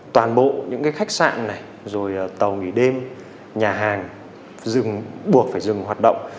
toàn bộ những khách sạn tàu nghỉ đêm nhà hàng buộc phải dừng hoạt động